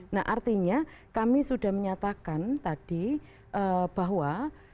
nah artinya kami sudah menyatakan tadi bahwa